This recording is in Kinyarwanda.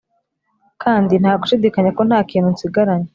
kandi ntagushidikanya ko ntakintu nsigaranye